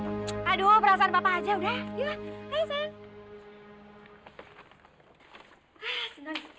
aduh perasaan papa aja udah